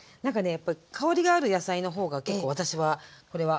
やっぱり香りがある野菜の方が結構私はこれは好きかな。